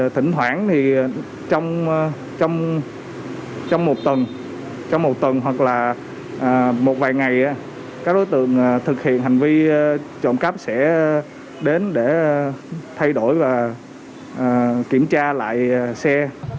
trong một tuần hoặc là một vài ngày các đối tượng thực hiện hành vi trộm cắp sẽ đến để thay đổi và kiểm tra lại xe